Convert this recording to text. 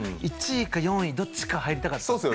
１位か４位、どっちか入りたかったです。